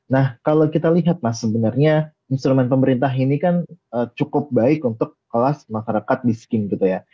nah kalau kita lihat mas sebenarnya instrumen pemerintah ini kan cukup baik untuk kelas masyarakat miskin gitu ya